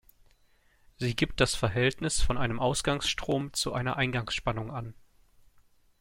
Sie gibt das Verhältnis von einem Ausgangsstrom zu einer Eingangsspannung an.